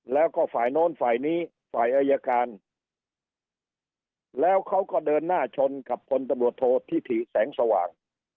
แล้วก็ฝ่ายโน้นฝ่ายนี้ฝ่ายอายการแล้วเขาก็เดินหน้าชนกับพลตำรวจโทษธิติแสงสว่าง